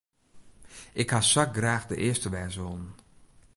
Ik hie sa graach de earste wêze wollen.